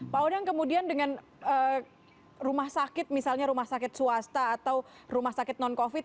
pak odang kemudian dengan rumah sakit misalnya rumah sakit swasta atau rumah sakit non covid